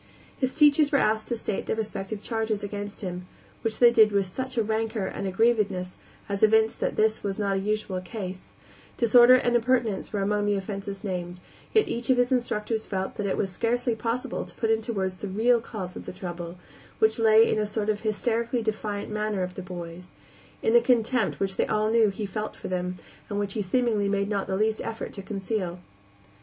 His teachers were asked to state their respective charges against him, which they did with such a rancor and aggrievedness as evinced that this was not a usual case, Disorder and impertinence were among the offenses named, yet each of his instructors felt that it was scarcely possible to put into words the real cause of the trouble, which lay in a sort of hysterically defiant manner of the boy's; in the contempt which they all knew he felt for them, and which he seemingly made not the least effort to conceal.